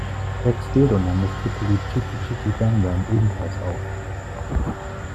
Rex Gildo nahm das Titellied Chitty Chitty Bang Bang ebenfalls auf.